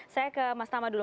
saya ke mas tama dulu